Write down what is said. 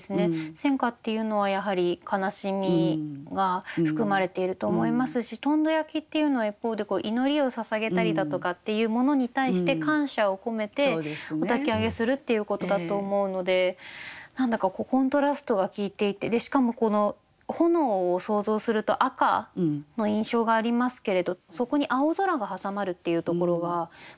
戦火っていうのはやはり悲しみが含まれていると思いますしとんど焼っていうのは一方で祈りをささげたりだとかっていうものに対して感謝を込めておたき上げするっていうことだと思うので何だかコントラストが効いていてしかもこの炎を想像すると赤の印象がありますけれどそこに青空が挟まるっていうところがまたちょっといいなと思いました。